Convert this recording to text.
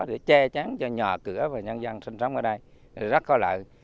để che chán cho nhòa cửa và nhân dân sinh sống ở đây rất có lợi